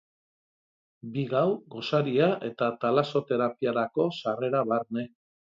Bi gau, gosaria eta talasoterapiarako sarrera barne.